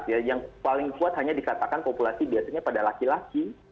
yang paling kuat hanya dikatakan populasi biasanya pada laki laki